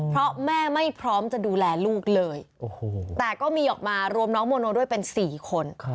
เพราะแม่ไม่พร้อมจะดูแลลูกเลยแต่ก็มีออกมารวมน้องโมโนด้วยเป็น๔คน